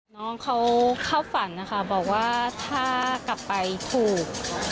น้องเขาเข้าฝันนะคะบอกว่าถ้ากลับไปถูก